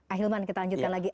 akhilman kita lanjutkan lagi